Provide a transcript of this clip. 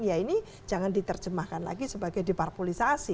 ya ini jangan diterjemahkan lagi sebagai depart polis